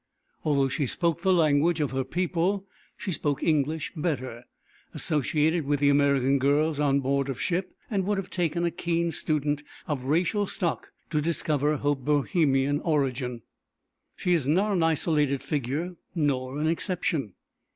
Although she spoke the language of her people, she spoke English better, associated with the American girls on board of ship, and it would have taken a keen student of racial stock to discover her Bohemian origin. She is not an isolated figure nor an exception.